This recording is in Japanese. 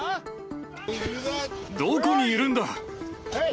どこにいるんだ。